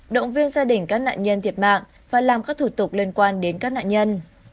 động viên gia đình các nạn nhân thiệt mạng và làm các thủ tục liên quan đến các nạn nhân